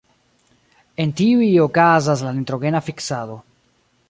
En tiuj okazas la nitrogena fiksado.